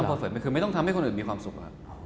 ไม่ต้องเพอร์เฟตคือไม่ต้องทำให้คนอื่นมีความสุขนะครับ